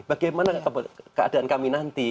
bagaimana keadaan kami nanti